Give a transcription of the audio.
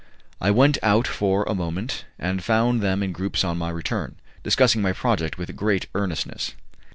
I went out for a moment and found them in groups on my return, discussing my project with great earnestness.